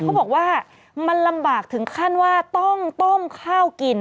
เขาบอกว่ามันลำบากถึงขั้นว่าต้องต้มข้าวกิน